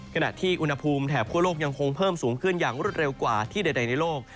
ขณะที่อุณหภูมิแถบคั่วโลกยังคงเพิ่มสูงขึ้นอย่างรวดเร็วกว่าที่ใดในโลก